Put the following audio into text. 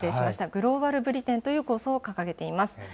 グローバル・ブリテンという構想を掲げています。